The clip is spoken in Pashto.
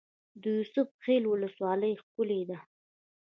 د یوسف خیل ولسوالۍ ښکلې ده